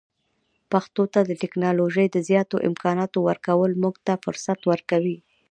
پښتو ته د ټکنالوژۍ د زیاتو امکاناتو ورکول موږ ته فرصت ورکوي.